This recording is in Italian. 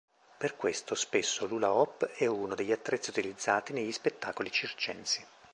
Per questo, spesso l'hula hoop è uno degli attrezzi utilizzati negli spettacolo circensi.